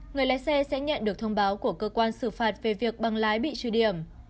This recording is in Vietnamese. người lái xe sẽ nhận được thông báo của cơ quan xử phạt về việc bằng lái bị trừ điểm